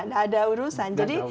nggak ada urusan jadi